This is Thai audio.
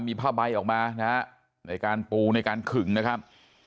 มีผ้าใบออกมานะฮะในการปูในการขึงนะครับ